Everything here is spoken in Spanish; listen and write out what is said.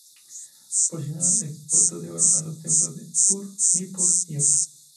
Proporcionó exvotos de oro a los templos de Ur, Nippur y otros.